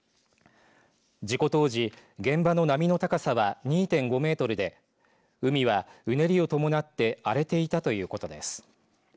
事故当時、現場の波の高さは２．５メートルで海はうねりを伴って荒れていたということです。